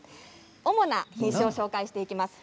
主な品種をご紹介していきます。